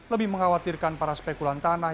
lebih mengkhawatirkan para spekulan tanah